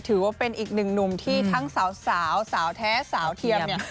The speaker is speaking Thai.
ถือว่าเป็นอีกหนึ่งหนุ่มที่ทั้งสาวสาวแท้สาวเทียมเนี่ย